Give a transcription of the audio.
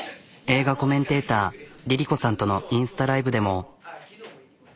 映画コメンテーターＬｉＬｉＣｏさんとのインスタライブでも。